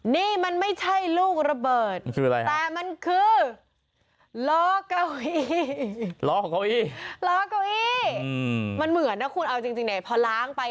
นี่มันไม่ใช่ลูกระเบิดแต่มันคือรอเกาอี้รอเกาอี้